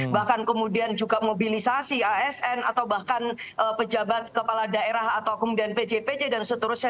bahkan kemudian juga mobilisasi asn atau bahkan pejabat kepala daerah atau kemudian pj pj dan seterusnya